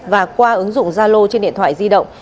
và qua ứng dụng gia lô trên điện thoại di động